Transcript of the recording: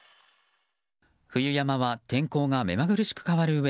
冬山は天候が目まぐるしく変わるうえ